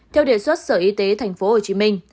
theo đề xuất sở y tế tp hcm